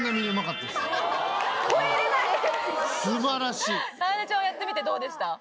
かえでちゃんはやってみてどうでした？